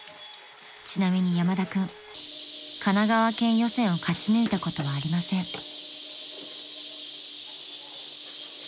［ちなみに山田君神奈川県予選を勝ち抜いたことはありません］